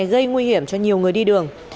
gây nguy hiểm cho nhiều người đi đường